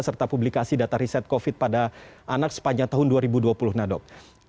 serta publikasi data riset covid pada anak sepanjang tahun dua ribu dua puluh nadok